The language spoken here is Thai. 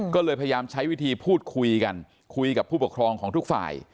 ก็เลยพยายามใช้วิธีพูดคุยกันคุยกับผู้ปกครองของทุกฝ่าย